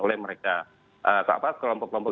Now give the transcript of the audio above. oleh mereka kelompok kelompok